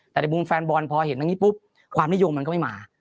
แต่ในมุมแฟนบอลพอเห็นอย่างนี้ปุ๊บความนิยมมันก็ไม่มา